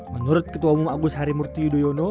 menurut ketua umum agus harimurti yudhoyono